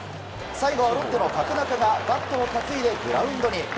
最後はロッテの角中がバットを担いでグラウンドに。